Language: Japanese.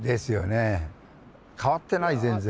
変わってない全然！